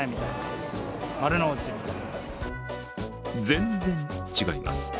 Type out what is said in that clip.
全然違います。